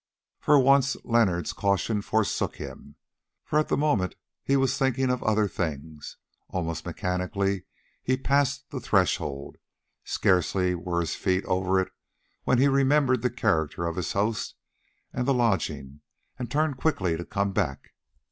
For once Leonard's caution forsook him, for at the moment he was thinking of other things. Almost mechanically he passed the threshold. Scarcely were his feet over it when he remembered the character of his host and the lodging, and turned quickly to come back.